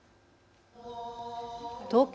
東京